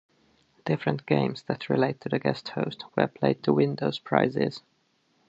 Different games that relate to the Guest Host were played to win those prizes.